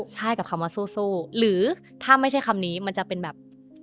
ใช่กับคำว่าสู้หรือถ้าไม่ใช่คำนี้มันจะเป็นแบบ